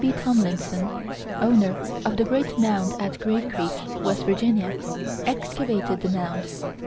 B. Tomlinson, owner of the great mound at Grave Creek, West Virginia, excavated the mound.